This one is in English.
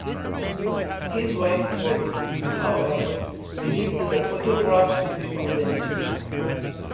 His wife Polly, however, believed the photographs to be authentic.